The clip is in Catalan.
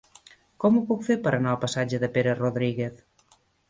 Com ho puc fer per anar al passatge de Pere Rodríguez?